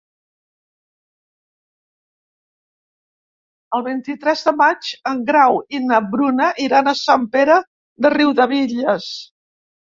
El vint-i-tres de maig en Grau i na Bruna iran a Sant Pere de Riudebitlles.